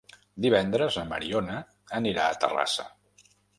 Divendres na Mariona anirà a Terrassa.